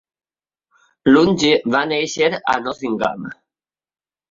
Lunghi va néixer a Nottingham.